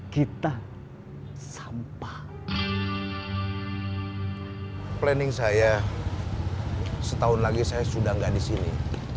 kita sampah planning saya setahun lagi saya sudah tidak di sini